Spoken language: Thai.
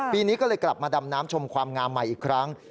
ปีนี้ก็เลยกลับมาดำน้ำชมความงามใหม่อีกครั้ง